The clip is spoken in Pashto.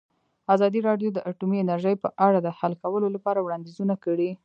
ازادي راډیو د اټومي انرژي په اړه د حل کولو لپاره وړاندیزونه کړي.